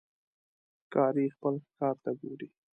ښکاري خپل ښکار ته ګوري.